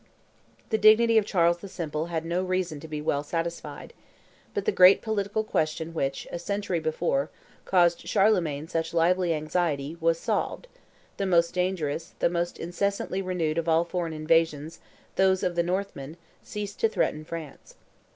The dignity of Charles the Simple had no reason to be well satisfied; but the great political question which, a century before, caused Charlemagne such lively anxiety, was solved; the most dangerous, the most incessantly renewed of all foreign invasions, those of the Northmen, ceased to threaten France.